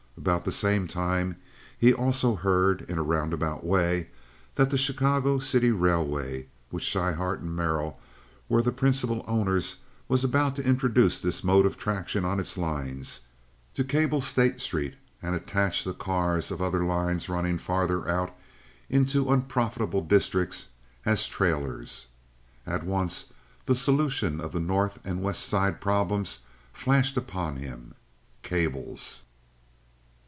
About the same time he also heard, in a roundabout way, that the Chicago City Railway, of which Schryhart and Merrill were the principal owners, was about to introduce this mode of traction on its lines—to cable State Street, and attach the cars of other lines running farther out into unprofitable districts as "trailers." At once the solution of the North and West Side problems flashed upon him—cables.